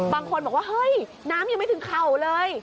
บางคนบอกว่าเฮ้ยน้ำยังไม่ถึงเข่าเลย